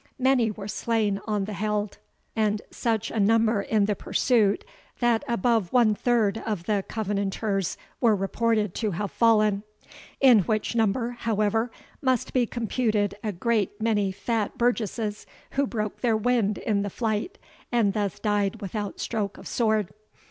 Many were slain on the held, and such a number in the pursuit, that above one third of the Covenanters were reported to have fallen; in which number, however, must be computed a great many fat burgesses who broke their wind in the flight, and thus died without stroke of sword.